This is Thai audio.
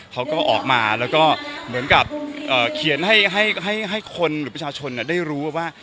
เขาก็ออกมาแล้วก็เหมือนกับเขียนให้คนหรือประชาชนได้รู้ว่า